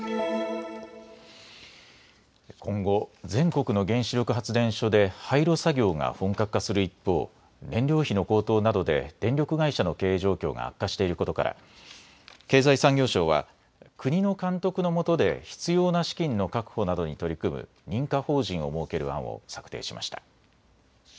今後、全国の原子力発電所で廃炉作業が本格化する一方、燃料費の高騰などで電力会社の経営状況が悪化していることから経済産業省は国の監督のもとで必要な資金の確保などに取り組む認可法人を設ける案を策定しました。